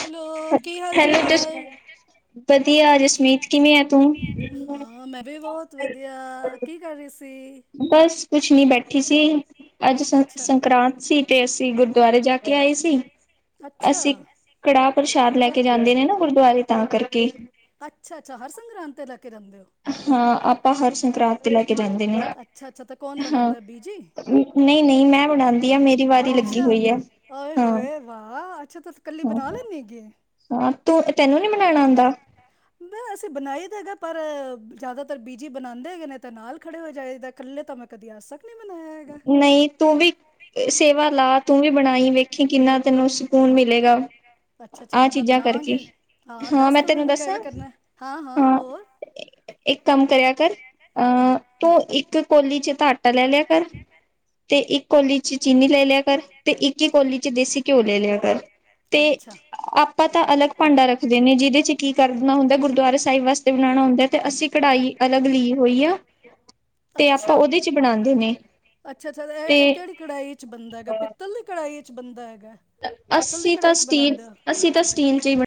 Hello ਕੀ ਹਾਲ hello ਜਸ ਚਾਲ ਵਧੀਆ ਜਸਮੀਤ ਕਿਵੇਂ ਆ ਤੂੰ? ਹਾਂ ਮੈਂ ਵੀ ਬਹੁਤ ਵਧੀਆ ਕੀ ਕਰ ਰਹੀ ਸੀ ਬਸ ਕੁਛ ਨੀ ਬੈਠੀ ਸੀ ਅੱਜ ਅੱਛਾ ਸੰਕਰਾਂਤ ਠੀਕ ਹ ਅਸੀਂ ਗੁਰਦੁਆਰੇ ਜਾ ਕੇ ਆਏ ਸੀ ਅੱਛਾ ਅਸੀਂ ਕੜਾਹ ਪ੍ਰਸ਼ਾਦ ਲੈ ਕੇ ਜਾਂਦੇ ਨੇ ਨਾ ਗੁਰਦੁਆਰੇ ਤਾਂ ਕਰਕੇ ਅੱਛਾ ਅੱਛਾ ਹਰ ਸੰਗਰਾਂਦ ਤੇ ਲੈ ਕੇ ਜਾਂਦੇ ਹੋ ਹਾਂ ਆਪਾਂ ਹਰ ਸੰਕਰਾਾਂਤ ਤੇ ਲੈ ਕੇ ਜਾਂਦੇ ਨੇ ਅੱਛਾ ਅੱਛਾ ਤਾਂ ਕੌਣ ਹਾਂ ਬਣਾਉਂਦਾ ਬੀਜੀ ਨਹੀਂ ਨਹੀਂ ਮੈਂ ਬਣਾਉਂਦੀ ਹ ਮੇਰੀ ਵਾਰੀ ਲੱਗੀ ਅੱਛਾ ਹੋਈ ਹੈ ਆਏ ਹੋਏ ਵਾਹ ਅੱਛਾ ਤੁ ਕੱਲੀ ਹਾਂ ਬਣਾ ਲੈਣੀ ਗ ਹਾਂ ਤੂੰ ਤੈਨੂੰ ਨੀ ਬਣਾਉਣਾ ਆਉਂਦਾ? ਮ ਅਸੀਂ ਬਣਾਈ ਦਾ ਹੈਗਾ ਪਰ ਜ਼ਿਆਦਾਤਰ ਬੀਜੀ ਬਣਾਉਂਦੇ ਹੈਗੇ ਨੇ ਤਾਂ ਨਾਲ ਖੜੇ ਹੋ ਜਾਏਦਾ ਇਕੱਲੇ ਤਾਂ ਮੈਂ ਕਦੀ ਆ ਸਕ ਨਹੀਂ ਤੂੰ ਵੀ ਸੇਵਾ ਲਾ ਤੂੰ ਵੀ ਬਣਾਈ ਵੇਖੀ ਕਿੰਨਾ ਤੈਨੂੰ ਸਕੂਨ ਮਿਲੇਗਾ ਅੱਛਾ ਆਹ ਚੱਲ ਮੈਂ ਚੀਜ਼ਾਂ ਕਰਕੇ ਬਣਾਵਾਂਗੇ ਹਾਂ ਦੱਸ ਮੈਂ ਤੂੰ ਤੈਨੂੰ ਮੈਨੂੰ ਦੱਸਾਂ ਕਿਵੇਂ ਕਰਨਾ ਹੈ। ਹਾਂ ਹੋਰ ਇੱਕ ਕੰਮ ਕਰਿਆ ਕਰ ਅਹ ਤੂੰ ਇੱਕ ਕੋਲੀ ਚ ਤਾਂ ਹੱਟ ਲੈ ਕਰ ਤੇ ਇੱਕ ਕੋੌਲੀ ਚ ਚੀਨੀ ਲੈ ਲਿਆ ਕਰ ਤੇ ਇੱਕ ਹੀ ਕੋੌਲੀ ਚ ਦੇਸੀ ਘਿਓ ਲੈ ਲਿਆ ਕਰ ਤੇ ਅੱਛਾ। ਆਪਾਂ ਤਾਂ ਅਲੱਗ ਭਾਂਡਾ ਰੱਖਦੇ ਨੇ ਜਿਹਦੇ ਚ ਕੀ ਕਰਨਾ ਹੁੰਦਾ ਗੁਰਦੁਆਰਾ ਸਾਹਿਬ ਵਾਸਤੇ ਬਣਾਉਣਾ ਹੁੰਦਾ ਤੇ ਅਸੀਂ ਕੜਾਹੀ ਅਲੱਗ ਲੀ ਹੋਈ ਆ ਤੇ ਆਪਾਂ ਉਹਦੇ ਚ ਬਣਾਉਂਦੇ ਨੇ ਅੱਛਾ ਅੱਛਾ ਤੇ ਇਹ ਇਹ ਕਿਹੜੀ ਕੜਾਈ ਚ ਬੰਦਾ ਹੈਗਾ ਪਿੱਤਲ ਦੀ ਕੜਹੀ ਚ ਬੰਦਾ ਹੈ ਅੱਸੀ ਤਾਂ ਸਟੀਨ ਅੱਸੀਂ ਤਾਂ ਸਟੀਨ ਚ ਹੀ ਬਣਾ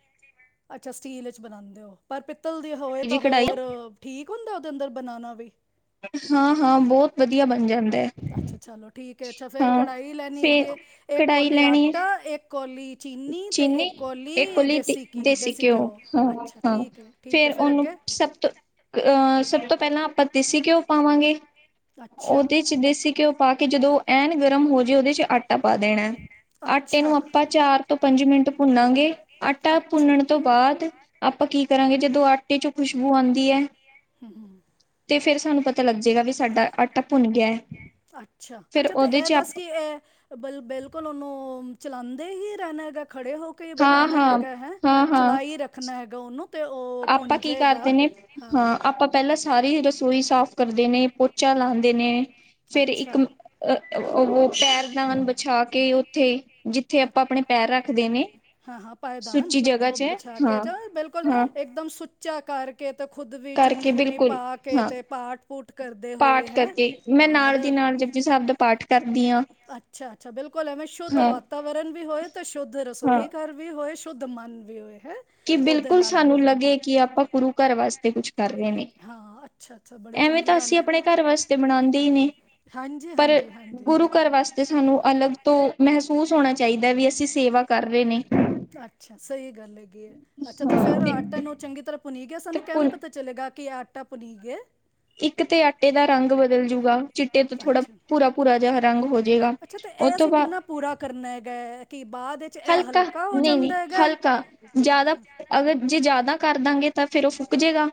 ਅੱਛਾ ਸਟੀਲ ਚ ਬਣਾਉਂਦੇ ਹੋ ਪਿੱਤਲ ਦੀ ਹੋਵੇ ਜੀ ਤਾਂ ਕਢਾਈ ਹੋਰ ਠੀਕ ਹੁੰਦਾ ਉਹਦੇ ਅੰਦਰ ਬਣਾਉਣਾ ਵੀ ਹਾਂ ਹਾਂ ਬਹੁਤ ਵਧੀਆ ਬਣ ਜਾਂਦਾ ਹੈ ਅੱਛਾ ਚਲੋ ਠੀਕ ਹੈ ਅੱਛਾ ਫੇਰ ਹਾਂ ਕੜਾਹੀ ਫੇਰ ਲੈਣੀਗੇ ਇੱਕ ਕੜਾਹੀ ਕੋਲੀ ਲੈਣੀ ਹੈ ਆਟਾ ਇੱਕ ਕੋਲੀ ਤੇ ਚੀਨੀ ਇੱਕ ਕੋਲੀ ਇਹਲੀ ਘੀ ਦੇਸੀ ਘਿਓ ਹਾਂ ਅੱਛਾ ਹਾਂ ਠੀਕ ਹੈ ਠੀਕ ਹੈ ਫੇਰ ਫਿਰ ਉਹਨੂੰ ਅੱਗੇ ਸਭ ਤੋਂ ਅਹ ਸਭ ਤੋਂ ਪਹਿਲਾਂ ਆਪਾਂ ਘਿਉ ਪਾਵਾਂਗੇ ਅੱਛਾ ਉਹਦੇ ਚ ਦੇਸੀ ਘਿਓ ਪਾ ਕੇ ਜਦੋਂ ਐਨ ਗਰਮ ਹੋ ਜੇ ਉਹਦੇ ਚ ਆਟਾ ਪਾ ਦੇਣਾ ਹੈ ਆਟੇ ਅੱਛਾ ਨੂੰ ਆਪਾਂ ਚਾਰ ਤੋਂ ਪੰਜ ਮਿੰਟ ਭੁੰਨਾਂਗੇ ਆਟਾ ਅੱਛਾ ਭੁੰਨਣ ਤੋਂ ਬਾਅਦ ਆਪਾਂ ਕੀ ਕਰਾਂਗੇ ਜਦੋਂ ਆਟੇ ਚੋਂ ਖੁਸ਼ਬੂ ਆਉਂਦੀ ਹੈ ਹਮ ਤੇ ਫੇਿਰ ਸਾਨੂੰ ਪਤਾ ਲੱਗ ਜਾੇਗਾ ਵੀ ਸਾਡਾ ਆਟਾ ਭੁੰਨ ਗਿਆ ਹੈ ਅੱਛਾ ਫੇਰ ਅੱਛਾ ਤੇ ਉਹਦੇ ਇਹ ਚ ਦੱਸ ਕੀ ਇਹ ਬ ਬਿਲਕੁਲ ਓਨੂੰ ਚਲਾਉਂਦੇ ਹੀ ਰਹਿਣ ਗਾ ਖੜੇ ਹੋ ਕੇ ਹਾਂ ਬਣਾਣਾ ਹਾਂ ਹੈਗਾ ਹੈ ਹਾਂ ਹਾਂ ਚਲਾਈ ਰੱਖਣਾ ਹੈਗਾ ਉਹਨੂੰ ਤੇ ਉਹ ਆਪਾਂ ਕੀ ਪੁੰਜੇਗਾ ਕਰਦੇ ਹਾਂ ਨੇ ਹਾਂ ਆਪਾਂ ਪਹਿਲਾਂ ਸਾਰੀ ਰਸੋਈ ਸਾਫ਼ ਕਰ ਦੇ ਨੇ, ਪੋਚਾ ਲਾਉਂਦੇ ਨੇ। ਫੇਰ ਅੱਛਾ ਇੱਕ ਅ ਫਿਰ ਓ, ਇੱਕ ਉਹ ਪੈਰਦਾਨ ਬਛਾ ਕੇ ਉੱਥੇ ਜਿੱਥੇ ਆਪਾਂ ਆਪਣੇ ਪੈਰ ਰੱਖਦੇ ਨੇ, ਹਾਂ ਹਾਂ ਪਾਏਦਾਨ ਸੁੱਚੀ ਉਹ ਜਗ੍ਹਾ'ਚ ਹਾਂ ਹਾਂ- ਉੱਚਾ ਕਰਕੇ- ਖੁਦ ਵੀ ਚੁੰਨੀ, ਕਰਕੇ ਮੁੰਨੀ ਬਿਲਕੁਲ ਪਾ ਕੇ ਹਾਂ ਤੇ, ਪਾਠ, ਪੂਠ ਕਰਦੇ ਹੋਏ ਪਾਠ ਹੈ ਕਰਕੇ, ਮੈਂ ਹਾਂ ਰ ਨਾਲ ਦੀ ਨਾਲ ਜਪੁਜੀ ਸਾਹਿਬ ਦਾ ਪਾਠ ਕਰਦੀ ਆ, ਅੱਛਾ ਅੱਛਾ ਬਿਲਕੁਲ ਐਵੇਂ ਸ਼ੁੱਧ ਹਾਂ। ਵਾਤਾਵਰਨ ਵੀ ਹੋਏ ਤੇ, ਸ਼ੁੱਧ ਹਾਂ ਰਸੋਈ ਘਰ ਵੀ ਹੋਏ ਸ਼ੁੱਧ ਮਨ ਵੀ ਹੋਏ। ਹੈ ਕਿ, ਉਹਦੇ ਬਿਲਕੁਲ ਨਾਲ ਸਾਨੂੰ ਬਣਾਉਣੀ ਲੱਗੇ ਕਿ, ਆਪਾਂ ਗੁਰੂ ਘਰ ਵਾਸਤੇ ਕੁਛ ਕਰ ਰਹੇ ਨੇ, ਹਾਂ ਹਾਂ ਅੱਛਾ ਅੱਛਾ ਬੜੀ ਐਵੇਂ ਚੰਗੀ ਤਾਂ ਗੱਲ ਅਸੀਂ ਹੈ ਆਪਣੇ ਘਰ ਵਾਸਤੇ ਬਣਾਉਂਦੇ ਹੀ ਨੇ, ਹਾਂਜੀ ਪਰ ਹਾਂਜੀ ਹਾਂਜੀ ਗੁਰੂ ਘਰ ਵਾਸਤੇ ਸਾਨੂੰ ਅਲੱਗ ਤੋ ਮਹਿਸੂਸ ਹੋਣਾ ਚਾਹੀਦਾ ਵੀ, ਅਸੀਂ ਸਿ ਸੇਵਾ ਕਰ ਰਹੇ ਨੇ। ਅੱਛਾ ਸਹੀ ਕਰ ਲੱਗੀਏ ਅੱਛਾ ਤਾਂ, ਫ਼ਿਰ ਤੇ ਆਟੇ ਨੂੰ ਚੰਗੀ ਤਰ੍ਹਾਂ ਭੁੰਨੀ ਗਿਆ, ਤੇ ਸਾਨੂੰ ਕੈਵੇਂ ਪੁਨ ਪਤਾ ਚਲੇਗਾ? ਕੀ, ਆਟਾ ਭੂਨੀ ਗਿਆ? ਇੱਕ ਤੇ ਆਟੇ ਦਾ ਰੰਗ ਬਦਲ ਜੂਗਾ ਚਿੱਟੇ ਤੋਂ ਥੋੜ੍ਹਾ ਭੂਰਾ- ਭੂਰਾ ਜਿਹਾ ਰੰਗ ਹੋਜੇਗਾ, ਅੱਛਾ ਤੇ ਜਾਏਗਾ। ਉਹ ਇਹ ਤੋਂ ਅਸੀਂ ਬਾਅਦ ਕਿੰਨਾ ਪੂਰਾ ਕਰਨਾ ਹੈਗਾ ਕਿ ਬਾਅਦ ਵਿੱਚ ਇਹ ਹਲਕਾ ਹੋ ਨਹੀਂ- ਨਹੀਂ ਜਾਂਦਾ ਹੈਗਾ ਹਲਕਾ ਜ਼ਿਆਦਾ ਅਗਰ ਜੇ, ਜ਼ਿਆਦਾ ਕਰ ਦਾਂਗੇ ਤਾਂ, ਫਿਰ ਉਹ ਫੁਕ ਜੇਗਾ,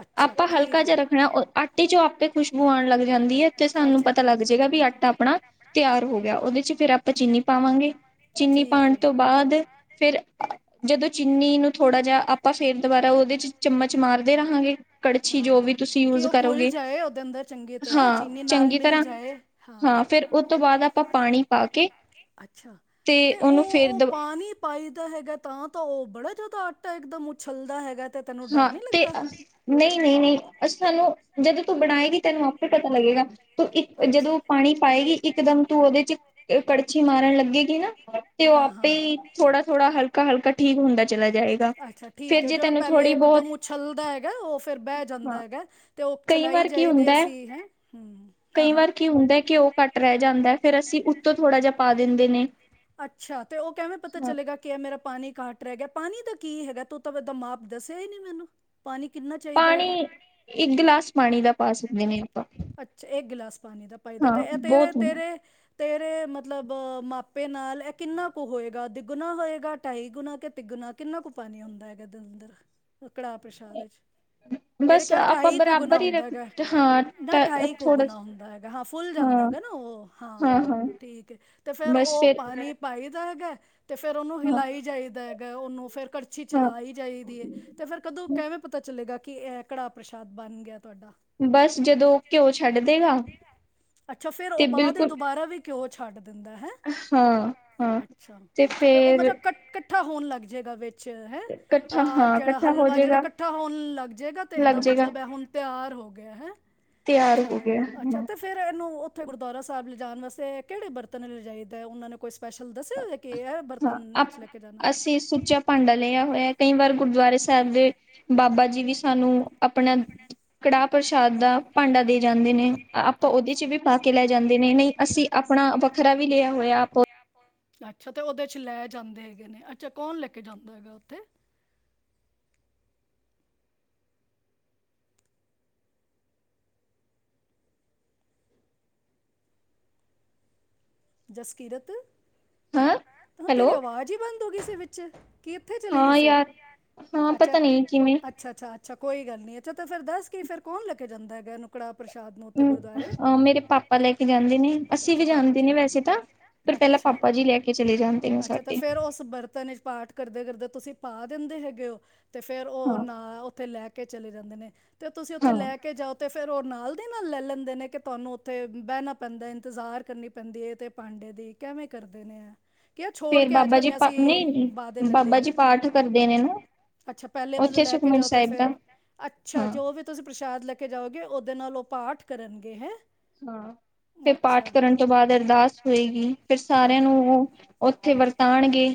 ਅੱਛਾ ਆਪਾਂ ਹਲਕਾ ਠੀਕ ਹੈ ਜਾ ਰੱਖਣਾ ਆਟੇ 'ਚੋਂ ਆਪੇ ਖੁਸ਼ਬੂ ਆਣ ਲੱਗ ਜਾਂਦੀ ਹੈ, ਤੇ ਸਾਨੂੰ ਅੱਛਾ, ਪਤਾ ਲੱਗ ਠੀਕ ਹੈ। ਜਾਏਗਾ ਵੀ ਆਟਾ ਆਪਣਾ ਤਿਆਰ ਹੋ ਗਿਆ, ਉਹਦੇ'ਚ ਫਿਰ ਆਪਾਂ ਚੀਨੀ ਪਾਵਾਂਗੇ। ਚੀਨੀ ਠੀਕ ਹੈ ਪਾਉਣ ਤੋਂ ਬਾਅਦ ਫਿਰ, ਜਦੋਂ ਚੀਨੀ ਨੂੰ ਥੋੜ੍ਹਾ ਜਿਹਾ ਆਪਾਂ ਫੇਰ ਦੁਬਾਰਾ ਉਹਦੇ 'ਚ ਚਮਚ ਮਾਰਦੇ ਰਹਾਂਗੇ ਕੜਛੀ ਹਾਂ ਜੋ ਵੀ ਤੁਸੀਂ ਕਿ ਯੂਜ ਉਹ ਖੁੱਲ ਕਰੋਗੇ, ਜਾਏ ਉਹਦੇ ਅੰਦਰ ਚੰਗੀ ਤਰ੍ਹਾਂ ਹਾਂ ਚੀਨੀ ਨਾਲ ਚੰਗੀ ਮਿਲ ਤਰ੍ਹਾਂ ਜਾਏ ਹਾਂ ਫਿਰ ਉਹ ਤੋਂ ਬਾਅਦ, ਆਪਾਂ ਪਾਣੀ ਪਾ ਕੇ- ਅੱਛਾ ਤੇ ਉਹਨੂੰ ਉਹ, ਫੇਰ ਉਹ ਦ ਪਾਣੀ ਪਾਈ ਦਾ ਹੈਗਾ ਤਾਂ, ਉਹ ਬੜਾ ਜਿਆਦਾ ਆਟਾ ਇਕਦਮ ਉਛਲਦਾ ਹੈਗਾ ਤੇ ਤੈਨੂੰ ਡਰ ਹਾਂ, ਨਹੀਂ ਤੇ ਲੱਗਦਾ? ਨਹੀਂ, ਨਹੀਂ, ਨਹੀਂ ਅ ਸਾਨੂੰ ਜਦੋਂ ਤੂੰ ਬਣਾਏਗੀ, ਤੈਨੂੰ ਆਪੇ ਪਤਾ ਲੱਗੇਗਾ। ਤੂੰ ਇੱਕ ਅੱਛਾ। ਜਦੋਂ ਪਾਣੀ ਪਾਏਗੀ ਇਕਦਮ ਤੂੰ ਉਹਦੇ 'ਚ ਕੜ ਛੀ ਮਾਰਨ ਲੱਗੇਗੀ ਨਾ ਤੇ ਉਹ ਹਾਂ ਆਪੇ ਹਾਂ। ਹੀ ਥੋੜਾ- ਥੋੜਾ ਹਲਕਾ [inaudible] ਠੀਕ ਹੁੰਦਾ ਚਲਾ ਜਾਏਗਾ, ਅੱਛਾ ਫੇਰ ਠੀਕ ਹੈ ਜੇ ਜਿਹੜਾ ਤੈਨੂੰ ਪਹਿਲੇ ਥੋੜ੍ਹੀ ਇੱਕਦਮ ਬਹੁਤ ਉਛੱਲਦਾ ਹੈਗਾ, ਉਹ ਫਿਰ ਬਹਿ ਜਾਂਦਾ ਹਾਂ ਹੈਗਾ। ਤੇ ਉਹ ਕਈ ਚਲਾਈ ਵਾਰ ਕੀ ਜਾਈਦੀ ਹੁੰਦਾ ਐ, ਅਸੀਂ ਹੈਂ ਹੂੰ ਹਾਂ ਕਈ ਹਾਂ। ਵਾਰ ਕੀ ਹੁੰਦਾ ਐ ਘਿਓ ਘੱਟ ਰਹਿ ਜਾਂਦਾ ਐ, ਫਿਰ ਅਸੀਂ ਉੱਤੋਂ ਥੋੜ੍ਹਾ ਜਿਹਾ ਪਾ ਦਿੰਦੇ ਨੇ। ਅੱਛਾ ਤੇ ਉਹ ਕਿਵੇਂ ਪਤਾ ਹਾਂ ਚਲੇਗਾ ਕੀ ਹੈ ਮੇਰਾ ਪਾਣੀ ਘੱਟ ਰਹਿ ਗਿਆ ਪਾਣੀ ਦਾ- ਕੀ ਹੈਗਾ ਤੂੰ ਤਾਂ ਦਾ ਮਾਪ ਦੱਸਿਆ ਹੀ ਨਹੀਂ ਮੈਨੂੰ ਪਾਣੀ ਕਿਨਾ ਚਾਹੀਦਾ ਪਾਣੀ ਹੈਗਾ ਇੱਕ ਗਿਲਾਸ ਪਾਣੀ ਗਲਾਸ ਦਾ ਪਾ ਸਕਦੇ ਨੇ ਆਪਾਂ ਦਾ ਅਛਾ ਇੱਕ ਗਿਲਾਸ ਪਾਣੀ ਦਾ ਪਦਾ ਹਾਂ ਤੇਰੇ ਬਹੁਤ ਹੁੰਦਾ ਤੇਰੇ ਤੇਰੇ ਮਤਲਬ ਮਾਪ ਐ ਨਾਲ ਇਹ ਕਿੰਨਾ ਕੁ ਹੋਏਗਾ ਦਿੱਗੁਣਾ ਹੋਏਗਾ ਢਾਈ ਗੁਣਾ ਕੇ ਤਿੱਗਣਾ ਕਿੰਨਾ ਕੁ ਪਾਣੀ ਹੁੰਦਾ ਹੈਗਾ ਅੰਦਰ ਕੜਾਹ ਪ੍ਰਸ਼ਾਦ ਵਿੱਚ ਮੇਰੇ ਬਸ ਖਿਆਲ ਆਪਾਂ ਢਾਈ ਕੁਗੁਣਾ ਬਰਾਬਰ ਹੀ ਹੁੰਦਾ ਰੱਖ ਹੈਗਾ ਹਾਂ ਨਾ ਢਾਈ ਥੋੜਾ ਕੁੋਗੁਣਾ ਹੁੰਦਾ ਹੈਗਾ ਹਾਂ ਫੁੱਲ ਜਾਂਦਾ ਹਾਂ ਹੈਗਾ ਨਾ ਉਹ ਹਾਂ ਹਾਂ ਠੀਕ ਤੇ ਫੇਰ ਬਸ ਉਹ ਫਿਰ ਪਾਣੀ ਪਾਈ ਦਾ ਹੈਗਾ ਤੇ ਫਿਰ ਉਹਨੂੰ ਹਾਂ ਹਿਲਾਈ ਜਾਈਦਾ। ਉਹ ਨੂੰ ਫੇਰ ਕੜਛੀ ਹਾਂ ਚਲਾਈ ਜਾਈਦੀ ਹੈ ਤੇ ਫਿਰ ਕਦੋਂ ਕਿਵੇਂ ਪਤਾ ਚਲੇਗਾ ਕਿ ਇਹ ਕੜਾਹ ਪ੍ਰਸ਼ਾਦ ਬਣ ਗਿਆ। ਤੁਹਾਡਾ ਬਸ ਜਦੋਂ ਉਹ ਘਿਓ ਛੱਡ ਦੇਗਾ ਤੇ ਬਿਲਕੁਲ ਕਿਉਂ ਛੱਡ ਦਿੰਦਾ ਹੈ। ਹਾਂ ਹਾਂ ਤੇ ਫੇਰ ਕੱਠਾ ਹੋਣ ਲੱਗਏਗਾ ਵਿੱਚ ਹੈ ਇਕੱਠਾ ਹਾਂ ਜਿਹੜਾ ਇਕੱਠਾ ਹੋ ਹਲਵਾ ਜਿਹੜਾ ਜਾਏਗਾ ਇਕੱਠਾ ਹੋਣ ਲੱਗ ਜਾਏਗਾ ਤੇ ਲੱਗ ਇਹਦਾ ਜਾਏਗਾ ਮਤਲਬ ਹੈ ਹੁਣ ਤਿਆਰ ਹੋ ਗਿਆ ਹੈ ਤਿਆਰ ਅੱਛਾ ਹੋ ਗਿਆ ਹਾਂ ਅੱਛਾ ਤੇ ਫੇਰ ਇਹਨੂੰ ਉੱਥੇ ਗੁਰਦੁਆਰਾ ਸਾਹਿਬ ਲਿਜਾਣ ਵਾਸਤੇ ਕਿਹੜੇ ਬਰਤਨ ਲਿਜਾਈਏ ਉਹਨਾਂ ਨੇ ਕੋਈ ਸਪੈਸ਼ਲ ਦੱਸਿਆ ਹੋਇਆ ਕਿ ਇਹ ਬਰਤਨ ਹਾਂ ਵਿੱਚ ਲੈ ਕੇ ਜਾਣਾ ਅਸੀਂ ਸੁੱਚਾ ਭਾਂਡਾ ਲਿਆ ਹੋਇਆ ਕਈ ਵਾਰ ਗੁਰਦੁਆਰੇ ਸਾਹਿਬ ਦੇ ਬਾਬਾ ਜੀ ਵੀ ਸਾਨੂੰ ਆਪਣਾ ਕੜਾਹ ਪ੍ਰਸ਼ਾਦ ਦਾ ਭਾਂਡਾ ਦੇ ਜਾਂਦੇ ਨੇ ਆਪਾਂ ਅੱਛਾ ਉਹਦੇ ਚ ਵੀ ਪਾ ਕੇ ਲੈ ਜਾਂਦੇ ਨੇ ਨਹੀਂ ਅਸੀਂ ਆਪਣਾ ਵੱਖਰਾ ਵੀ ਲਿਆ ਹੋਇਆ ਆਪ ਉਹਦੇ 'ਚ ਲੈ ਜਾਂਦੇ ਹੈਗੇ ਨੇ ਅੱਛਾ ਕੌਣ ਲੈ ਕੇ ਜਾਂਦਾ ਹੈਗਾ ਉੱਥੇ ਜਸਕੀਰਤ ਹਾਂ ਤਾਂ ਤੇਰੀ ਹੈਲੋ ਆਵਾਜ਼ ਹੀ ਬੰਦ ਹੋ ਗਈ ਸੀ ਵਿੱਚ ਚ ਕੀ ਇੱਥੇ ਚਲੀ ਗਈ ਹਾਂ ਸੀ ਯਾਰ ਹਾਂ ਅੱਛਾ ਪਤਾ ਨਹੀਂ ਕਿਵੇਂ ਅੱਛਾ ਅੱਛਾ‌। ਅੱਛਾ ਕੋਈ ਗੱਲ ਨਹੀਂ ਅੱਛਾ ਤਾਂ ਫਿਰ ਦੱਸ ਕੇ ਫਿਰ ਕੌਣ ਲੈ ਕੇ ਜਾਂਦਾ ਹੈਗਾ ਨੁੰ ਕੜਾਹ ਪ੍ਰਸ਼ਾਦ ਨੂੰ ਉੱਥੇ ਗੁਰਦੁਆਰੇ ਅ ਮੇਰੇ ਪਾਪਾ ਲੈ ਕੇ ਜਾਂਦੇ ਨੇ ਅਸੀਂ ਅੱਛਾ ਵੀ ਪਾਪਾ ਜਾਂਦੇ ਜੀ ਨੇ। ਲੈ ਵੈਸੇ ਤਾਂ ਪਰ ਪਹਿਲਾਂ ਅੱਛਾ ਪਾਪਾ ਜੀ ਲੈ ਕੇ ਚਲੇ ਜਾਂਦੇ ਨੇ ਅੱਛਾ ਤੇ ਸਾਡੇ ਫੇਰ ਉਸ ਬਰਤਨ ਚ ਪਾਠ ਕਰਦੇ ਕਰਦੇ ਤੁਸੀਂ ਪਾ ਦਿੰਦੇ ਹੈਗੇ ਉਹ ਤੇ ਫੇਰ ਉਹ ਹਾਂ ਨਾ ਉੱਥੇ ਲੈ ਕੇ ਕੇ ਚਲੇ ਜਾਂਦੇ ਨੇ। ਤੇ ਤੁਸੀਂ ਉੱਥੇ ਹਾਂ ਲੈ ਕੇ ਜਾਓ ਤੇ ਫਿਰ ਉਹ ਨਾਲ ਦੀ ਨਾਲ ਲੈ ਲੈਂਦੇ ਨੇ ਕਿ ਤੁਹਾਨੂੰ ਉੱਥੇ ਬਹਿਣਾ ਪੈਂਦਾ ਇੰਤਜ਼ਾਰ ਕਰਨੀ ਪਦੀਏ ਤੇ ਪਾਂਡੇ ਦੀ ਕਿਵੇਂ ਕਰਦੇ ਨੇ ਆ ਕੀ ਛੋੜ ਫੇਰ ਕੇ ਆ ਬਾਬਾ ਜੀ ਜਾਂਦੇ ਹਾਂ ਪਾ ਨਹੀਂ ਨਹੀਂ ਅੜੀ ਬਾਬਾ ਜੀ ਪਾਠ ਕਰਦੇ ਨੇ ਨਾ [unintelligible] ਅੱਛਾ ਪਹਿਲੇ ਮਤਲਬ ਉੱਥੇ ਲੈ ਕੇ ਸੁਖਮਨੀ ਜਾਓ ਤੇ ਸਾਹਿਬ ਫੇਰ ਦਾ ਅੱਛਾ ਹਾਂ। ਜੋ ਵੀ ਤੁਸੀਂ ਪ੍ਰਸ਼ਾਦ ਲੈਕੇ ਜਾਓਗੇ ਓਦੇ ਨਾਲ ਪਾਠ ਕਰਨਗੇ ਹੈਂ ਹਾਂ ਫਿਰ ਅੱਛਾ ਪਾਠ ਕਰਨ ਤੋਂ ਬਾਅਦ ਅਰਦਾਸ ਹੋਏਗੀ ਫਿਰ ਸਾਰਿਆਂ ਅੱਛ- ਨੂੰ ਉਹ ਉੱਥੇ ਵਰਤਾਣਗੇ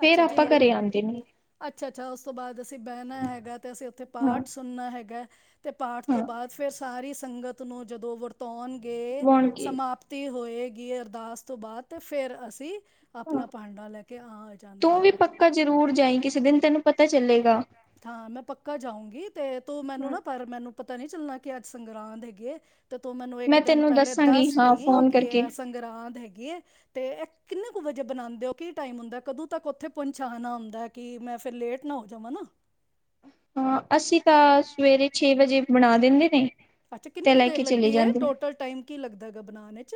ਫੇਰ ਅੱਛਾ ਆਪਾਂ ਜਿਨ ਘਰੇ ਆਂਦੇ ਨੇ ਅੱਛਾ ਅੱਛਾ ਉਸ ਤੋਂ ਬਾਅਦ ਅਸੀਂ ਬਹਿਣਾ ਹੈਗਾ ਤੇ ਅਸੀਂ ਉੱਥੇ ਹਾਂ ਪਾਠ ਸੁਣਨਾ ਹੈਗਾ ਤੇ ਪਾਠ ਤੋਂ ਹਾਂ ਬਾਅਦ ਫੇਰ ਸਾਰੀ ਸੰਗਤ ਨੂੰ ਜਦੋਂ ਵਰਤਾਉਣ ਗੇ ਪਵਾਉਣਗੇ ਸਮਾਪਤੀ ਹੋਏਗੀ ਅਰਦਾਸ ਤੋਂ ਬਾਅਦ ਅਤੇ ਫਿਰ ਅਸੀਂ ਆਪਣਾ ਭਾਂਡਾ ਲੈ ਕੇ ਆ ਜਾਣਾ ਤੂੰ ਵੀ ਹੈਗਾ ਪੱਕਾ ਜਰੂਰ ਜਾਈ ਕਿਸੇ ਦਿਨ ਤੈਨੂੰ ਪਤਾ ਚੱਲੇਗਾ ਹਾਂ ਮੈਂ ਪੱਕਾ ਜਾਊਂਗੀ ਤੇ ਤੂੰ ਮੈਨੂੰ ਨਾ ਪਰ ਮੈਨੂੰ ਪਤਾ ਨੀ ਚੱਲਣਾ ਕਿ ਅੱਜ ਸੰਗਰਾਂਦ ਹੈਗੀ ਇਹ ਤੇ ਤੂੰ ਮੈਨੂੰ ਇੱਕ ਮੈਂ ਦਿਨ ਤੈਨੂੰ ਪਹਿਲੇ ਦੱਸਾਂਗੀ ਹਾਂ ਦੱਸਦੀ ਫੋਨ ਕਿ ਕਰਕੇ ਸੰਗਰਾਂਦ ਹੈਗੀ ਹੈ ਤੇ ਇਹ ਕਿੰਨੇ ਵਜੇ ਬਣਾਉਂਦੇ ਹੋ ਕੀ ਟਾਈਮ ਹੁੰਦਾ ਕਦੋਂ ਕਦੋ ਤੱਕ ਉੱਥੇ ਪਹੁੰਚਾਣਾ ਆਉਦਾ ਕਿ ਮੈਂ ਫਿਰ ਲੇਟ ਨਾ ਹੋ ਜਾਵਾਂ ਨਾ ਹਾਂ ਅਸੀਂ ਤਾਂ ਸਵੇਰੇ ਛੇ ਵਜੇ ਬਣਾ ਦਿੰਦੇ ਨੇ ਅੱਛਾ ਕਿੰਨੀ ਤੇ ਕੁ ਲੈ ਦੇਰ ਕੇ ਚਲੇ ਲੱਗਦੀ ਹੈ ਜਾਂਦੇ ਨੇ ਟੋਟਲ ਟਾਈਮ ਕੀ ਲੱਗਦਾ ਹੈਗਾ ਬਣਾਉਣ 'ਚ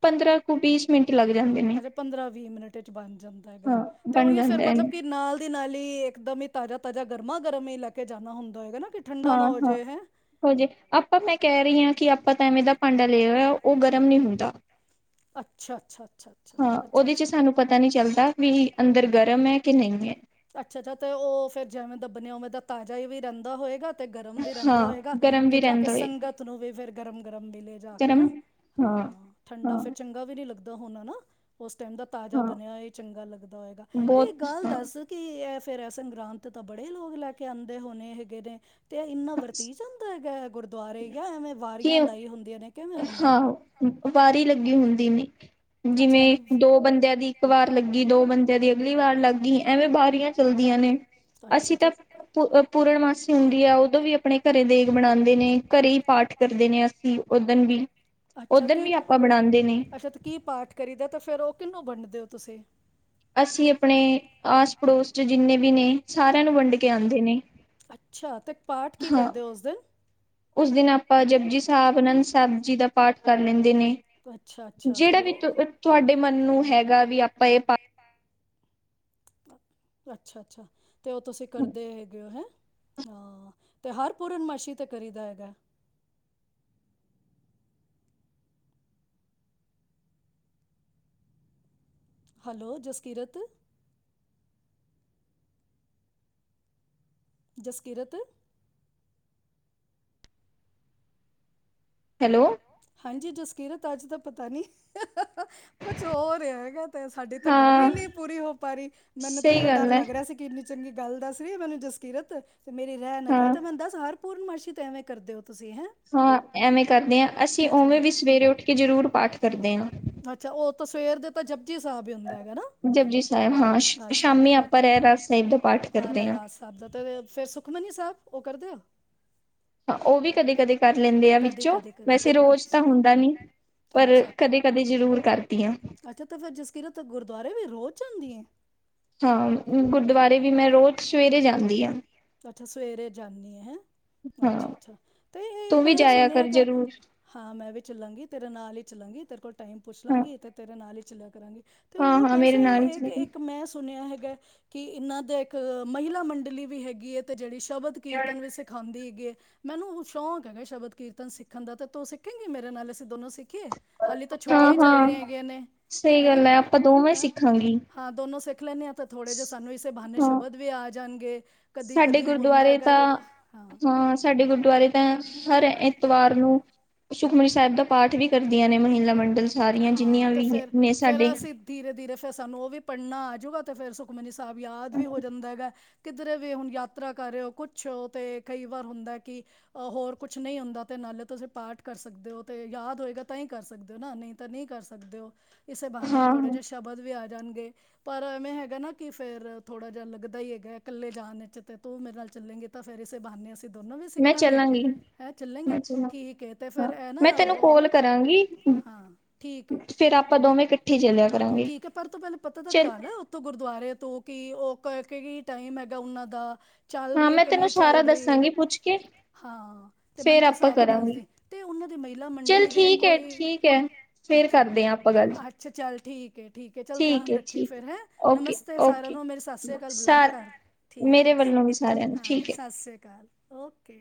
ਪੰਦਰਾਂ ਕੁ ਵੀਸ ਮਿੰਟ ਲੱਗ ਅੱਛਾ ਜਾਂਦੇ ਨੇ ਅੱਛਾ ਪੰਦਰਾਂ ਵੀਹ ਮਿੰਟ 'ਚ ਬਣ ਜਾਂਦਾ ਹੈਗਾ ਹਾਂ ਤੇ ਬਣ ਉਹੀ ਫੇਰ ਜਾਂਦਾ ਐ ਮਤਲਬ ਕਿ ਨਾਲ ਦੀ ਨਾਲ ਹੀ ਇੱਕਦਮ ਹੀ ਤ ਤਾਜਾ ਤਾਜਾ ਗਰਮਾ ਗਰਮ ਹੀ ਲੈ ਕੇ ਜਾਣਾ ਹੁੰਦਾ ਹੈਗਾ ਨਾ ਕਿ ਠੰਡਾ ਹਾਂ ਨਾ ਹੋ ਹਾਂ ਜਾਏ ਹੈਂ ਹੋਜੇ ਆਪਾਂ ਮੈਂ ਕਹਿ ਰਹੀ ਹਾਂ ਕਿ ਆਪਾਂ ਤਾਂ ਐਵੇਂ ਦਾ ਭਾਂਡਾ ਲਿਆ ਹੋਇਆ ਉਹ ਗਰਮ ਨਹੀਂ ਹੁੰਦਾ ਅੱਛਾ ਅੱਛਾ ਅੱਛਾ ਹਾਂ ਉਹਦੇ 'ਚ ਸਾਨੂੰ ਪਤਾ ਨਹੀਂ ਚੱਲਦਾ ਵੀ ਅੰਦਰ ਗਰਮ ਹੈ ਕਿ ਨਹੀਂ ਹੈ ਅੱਛਾ ਤੇ ਉਹ [unintelligible] ਤਾਜ਼ਾ ਹੀ ਵੀ ਰਹਿੰਦਾ ਹੋਏਗਾ ਤੇ ਗਰਮ ਵੀ ਹਾਂ ਰਹਿੰਦਾ ਹੋਏਗਾ ਗਰਮ ਕਿ ਵੀ ਜਾ ਕੇ ਰਹਿੰਦਾ ਹੋਏ ਸੰਗਤ ਨੂੰ ਵੀ ਫਿਰ ਗਰਮ ਗਰਮ ਮਿਲੇ ਜਾ ਕੇ ਨਾ ਗਰਮ ਹਾਂ ਠੰਡਾ ਹਾਂ ਫਿਰ ਚੰਗਾ ਵੀ ਨਹੀਂ ਲੱਗਦਾ ਹੁਨਾ ਹਨਾ ਉਸ ਟਾਈਮ ਦਾ ਤਾਜ਼ਾ ਬਣਿਆ ਹਾਂ ਹੋਏ ਚੰਗਾ ਲੱਗਦਾ ਹੋਏਗਾ ਤੇ ਬਹੁਤ ਗੱਲ ਹਾਂ ਦੱਸ ਕਿ ਇਹ ਫੇਰ ਇਹ ਸੰਗਰਾਂਤ ਤੇ ਤਾਂ ਬੜੇ ਲੋਕ ਲੈ ਕੇ ਆਉਂਦੇ ਹੋਣੇ ਹੈਗੇ ਨੇ ਤੇ ਇੰਨਾ ਵਰਤੀ ਜਾਂਦਾ ਹੈਗਾ ਦੁਆਰੇ ਗਿਆ ਐਵੇਂ ਵਾਰੀਆਂ ਲਾਈ ਹੁੰਦੀਆਂ ਨੇ ਕਿਵੇਂ ਹੁੰਦਾ ਆਹੋ ਵਾਰੀ ਲੈ ਲੱਗੀ ਹੁੰਦੀ ਨ ਅੱਛਾ ਜਿਵੇਂ ਐਵੇਂ ਦੋ ਬੰਦਿਆਂ ਦੀ ਇੱਕ ਵਾਰ ਲੱਗੀ ਦੋ ਬੰਦਿਆਂ ਦੀ। ਅਗਲੀ ਵਾਰ ਲੱਗ ਗਈ ਐਵੇਂ ਬਾਰੀਆਂ ਚੱਲਦੀਆਂ ਨੇ। ਅੱਛਾ ਅਸੀਂ ਤਾਂ ਪੂਰਨਮਾਸੀ ਹੁੰਦੀ ਹੈ ਉਦੋਂ ਵੀ। ਆਪਣੇ ਘਰੇ ਦੇਗ ਬਣਾਉਂਦੇ ਨੇ ਘਰੇ ਹੀ ਪਾਠ ਕਰਦੇ ਨੇ ਅਸੀਂ। ਓਦਣ ਵੀ ਅੱਛਾ ਓਦਣ ਕੀ ਵੀ ਆਪਾਂ ਬਣਾਉਂਦੇ ਨੇ ਅੱਛਾ ਤੇ ਕੀ ਪਾਠ ਕਰੀਦਾ ਤੇ ਫੇਰ ਉਹ ਕਿਹਨੂੰ ਵੰਡਦੇ ਹੋ? ਤੁਸੀ। ਅਸੀਂ ਆਪਣੇ ਆਸ। ਪੜੋਸ ਚ ਜਿੰਨੇ ਵੀ ਨੇ ਸਾਰਿਆਂ ਨੂੰ ਵੰਡ ਕੇ ਆਉਂਦੇ ਨੇ। ਅੱਛਾ ਤੇ। ਪਾਠ ਕੀ ਹਾਂ ਕਰਦੇ ਹੋ ਉਸ ਦਿਨ। ਉਸ ਦਿਨ ਆਪਾਂ ਜਪੁਜੀ ਸਾਹਿਬ ਆਨੰਦ ਸਾਹਿਬ ਜੀ ਦਾ ਪਾਠ ਕਰ ਲੈਂਦੇ ਨੇ ਅੱਛਾ ਅੱਛਾ ਜਿਹੜਾ ਤੇ ਵੀ ਤੁਹਾਡੇ ਮਨ ਨੂੰ ਹੈਗਾ ਵੀ ਆਪਾਂ ਇਹ ਪਾਠ। ਅੱਛਾ ਅੱਛਾ। ਤੇ ਉਹ ਤੁਸੀਂ ਕਰਦੇ ਹੈਗੇ ਹੋ ਹੈ। ਹਾਂ ਤੇ ਹਰ ਪੂਰਨਮਾਸ਼ੀ ਤੇ ਕਰੀਦਾ ਹੈਗਾ। ਹੈਲੋ ਜਸਕੀਰਤ। ਜਸਕੀਰਤ। ਹੈਲੋ। ਹਾਂਜੀ ਜਸਕੀਰਤ ਅੱਜ ਤਾਂ ਪਤਾ ਨੀ ਕੁਛ ਹੋ ਰਿਹਾ ਹੈਗਾ। ਤੇ ਸਾਡੀ ਤਾਂ ਗੱਲ ਹੀ ਹਾਂ ਨਹੀਂ ਪੂਰੀ ਹੋ ਪਾ ਰਹੀ ਮੈਨੂੰ ਤਾਂ ਸਹੀ ਏਹੋ ਡਰ ਗੱਲ ਹੈ ਲੱਗ ਰਿਹਾ ਸੀ ਕਿ ਇੰਨੀ ਚੰਗੀ। ਗੱਲ ਦੱਸ ਰਹੀ ਹਾਂ ਮੈਨੂੰ ਜਸਕੀਰਤ। ਮੇਰੀ ਰਹਿ ਨਾ ਜਾਏ ਹਾਂ ਤੇ ਬੰਦਾ ਸਾਰੀ। ਪੂਰਨਮਾਸ਼ੀ ਕਿਵੇਂ ਕਰਦੇ ਹੋ? ਤੁਸੀਂ ਹੈਂ ਹਾਂ ਐਵੇਂ ਕਰਦੇ ਹਾ। ਅੱਛਾ ਮੈਂ ਆਲ ਰੈੜੀ ਸਵੇਰੇ ਉੱਠ ਕੇ ਜਰੂਰ ਪਾਠ ਕਰਦੀ ਹਾਂ ਅੱਛਾ ਉਦੋ ਸਵੇਰ ਦੇ ਤੇ ਜਪੁਜੀ ਸਾਹਿਬ ਹੁੰਦਾ ਨਾ ਹਾ ਜਪਜੀ ਜਪੁਜੀ ਹਾਂ ਸਾਹਿਬ ਅੱਛਾ ਸ਼ਾਮੀ ਆਪਾਂ ਸਾਮੀ ਰਹਿਰਾਸ ਸਾਹਿਬ ਦਾ ਪਾਠ ਆਪਾ ਕਰਦੇ ਹਾਂ ਰਹਿਰਾਸ ਸਾਹਿਬ ਫੇਰ ਸੁਖਮਨੀ ਸਾਹਿਬ ਉਹ ਕਰ। ਕਰਦੇ ਹੋ। ਹਾਂ ਉਹ ਵੀ ਕਦੇ ਕਦੇ ਕਰ ਲੈਂਦੇ ਆ ਵਿੱਚੋਂ ਕਰ ਵੈਸੇ। ਤੇ ਲੈਂਦੀ ਹਾਂ ਰੋਜ਼ ਤਾਂ ਹੁੰਦਾ ਨੀ ਪਰ ਕਦੇ ਕਦੇ ਜ਼ਰੂਰ ਕਰਦੀ ਹਾਂ। ਦੀਆਂ। ਹਾਂ ਗੁਰਦੁਆਰੇ ਵੀ ਮੈਂ ਰੋਜ਼ ਸਵੇਰੇ ਜਾਂਦੀ ਹਾਂ ਅੱਛਾ ਸਵੇਰੇ ਜਾਂਦੀ ਹੈ ਹੈਂ ਹਾਂ ਅੱਛਾ ਅੱਛਾ ਤੇ ਇਹ ਤੂੰ ਵੀ ਮੈਂ ਜਾਇਆ ਸੁਣਿਆ ਕਰ ਕਿ ਜ਼ਰੂਰ। ਹਾਂ ਮੈਂ ਵੀ ਚੱਲਾਂਗੀ ਤੇਰੇ ਨਾਲ ਹੀ ਚੱਲਾਂਗੀ ਤੇਰੇ ਕੋਲ ਟਾਈਮ ਪੁੱਛ ਹਾਂ, ਲਾਂਗੀ ਤੇ ਤੇਰੇ ਨਾਲ ਹੀ। ਚਲਾ ਕਰਾਂਗੇ। ਤੇ ਹੋਰ ਹਾਂ-ਹਾਂ ਦੱਸ ਮੇਰੇ ਨਾਲ ਹੀ ਇੱਕ ਚਲੇਗੀ, ਇੱਕ ਮੈਂ ਸੁਣਿਆ ਹੈਗਾ। ਕਿ ਇਹਨਾਂ ਦਾ ਇੱਕ ਮਹਿਲਾ ਮੰਡਲੀ ਵੀ ਹੈਗੀ ਹੈ ਤੇ ਜਿਹੜੀ ਸ਼ਬਦ ਕੀਰਤਨ ਵੀ ਸਿਖਾਉਂਦੀ ਹੈਗੀ। ਮੈਨੂੰ ਉਹ ਸ਼ੌਕ ਹੈਗਾ ਸ਼ਬਦ ਕੀਰਤਨ ਸਿੱਖਣ ਦਾ ਤਾਂ ਉਹ ਸਿੱਖੇਗੇ ਮੇਰੇ ਨਾਲ ਅਸੀਂ ਦੋਨੋ ਸਿੱਖੀਏ ਹਾਲੀ ਤਾਂ ਛੁੱਟੀਆਂ ਹੀ ਚੱਲ ਹਾਂ-ਹਾਂ। ਰਹੀਆਂ ਹੈਗੀਆਂ ਨੇ ਸਹੀ ਹੈਂ ਗੱਲ ਐ, ਆਪਾਂ ਦੋਵੇਂ ਹ ਸਿੱਖਾਂਗੀ, ਹਾਂ ਦੋਨੋ ਸਿੱਖ ਲੈਂਣੇ ਆ ਤੇ ਥੋੜੇ ਜਿਹੇ ਸਾਨੂੰ ਇਸੇ ਬਹਾਨੇ ਹਾਂ। ਸ਼ਬਦ ਵੀ ਆ ਜਾਣਗੇ ਕਦੀ ਸਾਡੇ ਕਦੀ ਹੁੰਦਾ ਗੁਰਦੁਆਰੇ ਹੈਗਾ ਤਾਂ ਨਾ ਹਾਂ ਹਾਂ ਸਾਡੇ ਗੁਰਦੁਆਰੇ ਤਾਂ ਹਰ ਇਤਵਾਰ ਨੂੰ ਸੁਖਮਨੀ ਸਾਹਿਬ ਦਾ ਪਾਠ ਵੀ ਕਰਦੀਆਂ ਨੇ ਮਹਿਲਾ ਮੰਡਲ ਸਾਰੀਆਂ ਹਾਂ ਜਿੰਨੀਆਂ ਤੇ ਵੀ ਫੇਰ ਨੇ ਫੇਰ ਸਾਡੇ। ਅਸੀਂ ਧੀਰੇ ਧੀਰੇ ਫੇਰ ਸਾਨੂੰ ਉਹ ਵੀ ਪੜ੍ਹਨਾ ਆ ਜੁਗਾ ਤੇ ਫਿਰ ਸੁਖਮਨੀ ਸਾਹਿਬ ਯਾਦ ਵੀ ਹੋ ਜਾਂਦਾ ਹੈਗਾ। ਕਿਧਰੇ ਵੀ ਹੁਣ ਯਾਤਰਾ ਕਰ ਰਹੇ ਹੋ ਕੁਛ ਹੋ ਤੇ ਕਈ ਵਾਰ ਹੁੰਦਾ ਕਿ ਹੋਰ ਕੁਛ ਨਹੀਂ ਹੁੰਦਾ ਤੇ ਨਾਲੇ ਤੁਸੀਂ ਪਾਠ ਕਰ ਸਕਦੇ ਹੋ ਅਤੇ ਯਾਦ ਹੋਏਗਾ ਤਾਂ ਹੀ ਕਰ ਸਕਦੇ ਹੋ ਨਾ ਨਹੀਂ ਤਾਂ ਨਹੀਂ ਕਰ ਸਕਦੇ ਹੋ। ਇਸੇ ਬਾਨੇ ਨਾਲ ਹਾਂ, ਥੋੜੇ ਜਹੇ ਸ਼ਬਦ ਵੀ ਆ ਜਾਣਗੇ ਪਰ ਐਵੇਂ ਹੈਗਾ ਨਾ ਕਿ ਫੇਰ ਥੋੜਾ ਜਿਹਾ ਲੱਗਦਾ ਹੀ ਹੈਗਾ ਇਕੱਲੇ ਜਾਣ ਵਿੱਚ ਤੇ ਤੂੰ ਮੇਰੇ ਨਾਲ ਚੱਲੇਗੀ ਤਾਂ ਫੇਰ ਇਸੇ ਬਹਾਨੇ ਅਸੀਂ ਦੋਨੋ ਵੀ ਸਿੱਖ ਮੈਂ ਲਾਂਗੇ ਚੱਲਾਂਗੀ, ਹੈਂ ਚੱਲਾਂਗੀ ਮੈਂ ਚੱਲਾਂ ਠੀਕ ਤੇ ਫੇਰ ਹਾਂ, ਇਹ ਮੈਂ ਨਾ ਬ ਤੈਨੂੰ ਕੋਲ ਕਰਾਂਗੀ। ਹਾਂ ਠੀਕ ਹੈ, ਫੇਰ ਆਪਾਂ ਦੋਵੇਂ ਇਕੱਠੇ ਚੱਲਿਆ ਕਰਾਂਗੇ, ਪਰ ਤੂੰ ਪਹਿਲਾ ਪਤਾ ਤਾਂ ਚੱਲ ਕਰਾ ਲਾ ਉਥੋਂ ਗੁਰਦੁਆਰੇ ਤੋਂ ਕੀ ਉਹ ਟਾਈਮ ਹੈਗਾ ਉਹਨਾਂ ਦਾ ਚੱਲ ਹਾਂ ਰਹੀ ਹੈ ਮੈਂ ਕਿ ਤੈਨੂੰ ਨਹੀਂ ਸਾਰਾ ਚੱਲ ਰਹੀ ਦੱਸਾਂਗੀ ਪੁੱਛ ਕੇ ਹਾਂ ਤੇ ਮੈਨੂੰ ਫੇਰ ਤੂੰ ਆਪਾਂ ਸਾਰਾ ਕਰਾਂਗੇ ਦੱਸਦੀ ਤੇ ਉਹਨਾਂ ਦੀ ਮਹਿਲਾ ਚੱਲ ਮੰਡਲੀ ਦੇ ਠੀਕ ਹੈ ਕੋਈ ਠੀਕ ਹੈ ਫੇਰ ਅੱਛਾ ਕਰਦੇ ਹਾਂ ਆਪਾਂ ਗੱਲ ਅੱਛਾ ਚੱਲ ਠੀਕ ਐ। ਠੀਕ ਹੈ ਚੱਲ ਧਿਆਨ ਹੈ ਰੱਖੀਏ ਠੀਕ ਹੈ ਫੇਰ ਹੈਂ ਓਕੇ ਨਮਸਤੇ ਸਾਰਿਆਂ ਓਕੇ ਨੂੰ ਮੇਰੀ ਸਤਿ ਸ੍ਰੀ ਅਕਾਲ ਬੁਲਾਈ ਸਾਰ ਕਰ ਠੀਕ ਹੈ ਮੇਰੇ ਵੱਲੋਂ ਵੀ ਸਾਰਿਆਂ ਨੂੰ ਹਾਂ ਠੀਕ ਹੈ ਸਤਿ ਸ੍ਰੀ ਅਕਾਲ। ਓਕੇ।